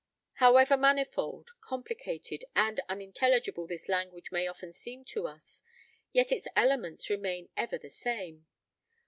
However manifold, complicated, and unintelligible this language may often seem to us, yet its elements remain ever the same.